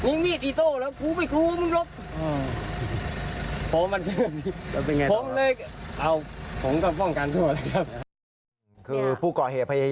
มีมีดอิโต้แล้วผมไม่กลัวมึงรก